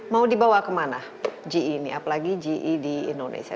mau dibawa kemana ge ini apalagi ge di indonesia